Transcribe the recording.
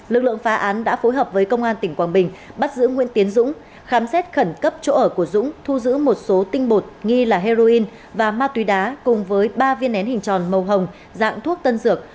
lực lượng phá án đã phối hợp với công an tỉnh quảng bình bắt giữ nguyễn tiến dũng khám xét khẩn cấp chỗ ở của dũng thu giữ một số tinh bột nghi là heroin và ma túy đá cùng với ba viên nén hình tròn màu hồng dạng thuốc tân dược